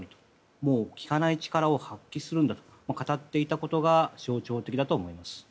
もう、聞かない力を発揮するんだと語っていたことが象徴的だと思います。